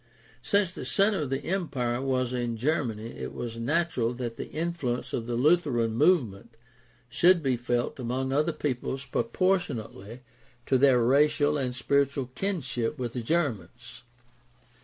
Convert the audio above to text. Since the center of the Empire was in Germany it was natural that the influence of the Lutheran movement should be felt among other peoples proportionately to their racial and spiritual kinship with the Germans.